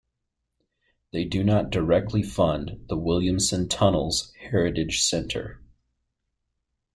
They do not directly fund the Williamson Tunnels Heritage Centre.